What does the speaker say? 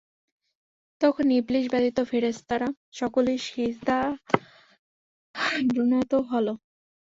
তখন ইবলীস ব্যতীত ফেরেশতারা সকলেই সিজদাবনত হলো।